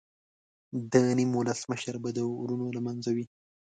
د نیم ولس مشر به د ورونو له منځه وي.